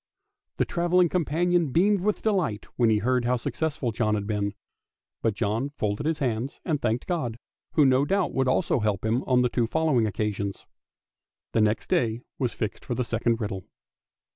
The travelling companion beamed with delight when he heard how successful John had been. But John folded his hands and thanked God, who no doubt would also help him on the two THE TRAVELLING COMPANIONS 379 following occasions. The next day was fixed for the second riddle.